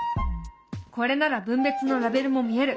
これなら分別のラベルも見える。